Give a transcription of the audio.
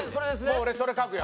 もう俺それ書くよ。